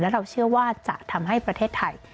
เราเชื่อว่าจะทำให้ประเทศไทย